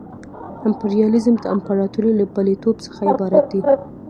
امپریالیزم د امپراطورۍ له پلویتوب څخه عبارت دی